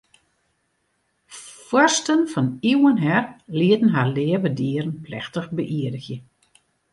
Foarsten fan iuwen her lieten har leave dieren plechtich beïerdigje.